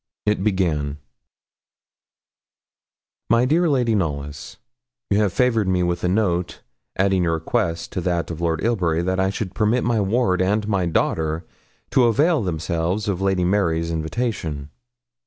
It began 'MY DEAR LADY KNOLLYS. You have favoured me with a note, adding your request to that of Lord Ilbury, that I should permit my ward and my daughter to avail themselves of Lady Mary's invitation.